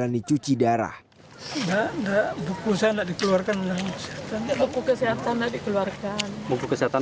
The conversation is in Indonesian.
ramli juga terang menjalani cuci darah